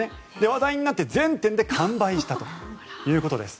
話題になって全店で完売したということです。